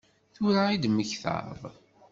Tura i d-temmektaḍ?